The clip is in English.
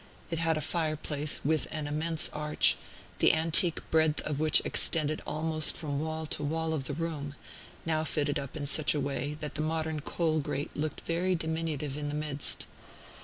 It had a fireplace with an immense arch, the antique breadth of which extended almost from wall to wall of the room, though now fitted up in such a way, that the modern coal grate looked very diminutive in the midst.